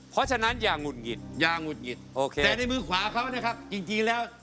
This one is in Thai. เพราะฉะนั้นอย่างหงุดหงิด